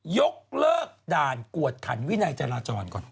ยกเลิกด่านกวดขันวินัยจราจรก่อน